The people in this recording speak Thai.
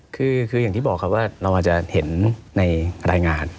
คืออย่างที่บอกครับว่าเราอาจจะเห็นในรายงาน